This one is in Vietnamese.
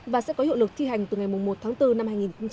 bộ lực thi hành từ ngày một tháng bốn năm hai nghìn hai mươi